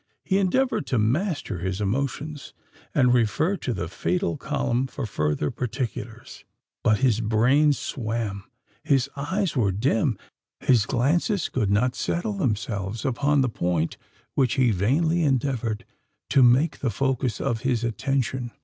He endeavoured to master his emotions, and refer to the fatal column for farther particulars: but his brain swam—his eyes were dim—his glances could not settle themselves upon the point which he vainly endeavoured to make the focus of his attention.